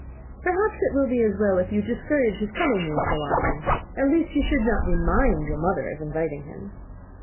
"Perhaps it will be as well if you discourage his coming here so very often. At least you should not remind your mother of inviting him."